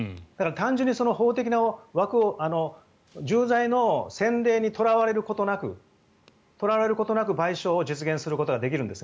単純に法的な枠を先例にとらわれることなく賠償を実現することができるんです。